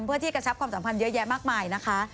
เพื่อที่กระชับความสัมพันธ์เยอะแยะมากมายนะคะ